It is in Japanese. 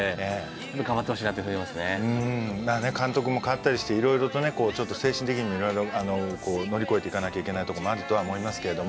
監督も替わったりしていろいろとねちょっと精神的にもいろいろこう乗り越えていかなきゃいけないとこもあるとは思いますけども。